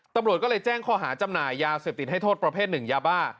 ตำรวจก็เลยแจ้งข้อหาจำหน่ายยาเสพติดให้โทษประเภทหนึ่งยาบ้า